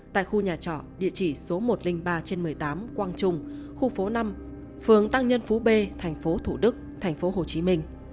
tại khu nhà trọ địa chỉ số một trăm linh ba trên một mươi tám quang trung khu phố năm phường tăng nhân phú b tp thủ đức thành phố hồ chí minh